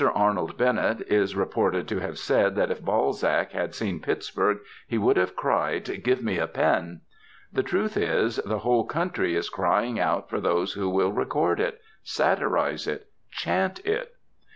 Arnold Bennett is reported to have said that if Balzac had seen Pittsburgh, he would have cried: "Give me a pen!" The truth is, the whole country is crying out for those who will record it, satirize it, chant it.